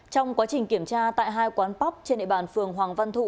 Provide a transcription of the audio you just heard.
trong quá trình kiểm tra tại hai quán póc trên địa bàn phường hoàng văn thụ